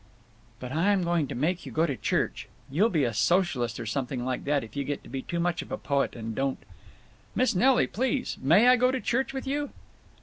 "But I am going to make you go to church. You'll be a socialist or something like that if you get to be too much of a poet and don't—" "Miss Nelly, please may I go to church with you?"